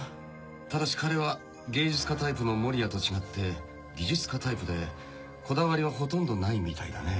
ただし彼は芸術家タイプの森谷と違って技術家タイプでこだわりはほとんどないみたいだね。